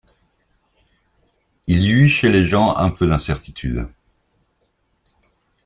Il y eut chez les gens un peu d’incertitude.